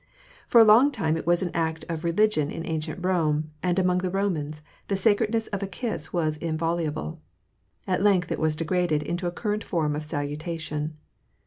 For a long time it was an act of religion in ancient Rome and among the Romans the sacredness of the kiss was inviolable. At length it was degraded into a current form of salutation.